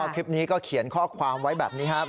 คลิปนี้ก็เขียนข้อความไว้แบบนี้ครับ